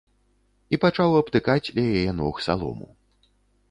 І пачаў абтыкаць ля яе ног салому.